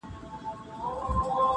نه د سرو ملو پیمانه سته زه به چیري ځمه-